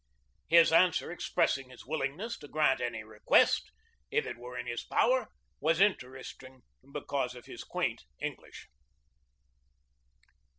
His answer expressing his willingness to grant my request, if it were in his power, was interesting be cause of its quaint English.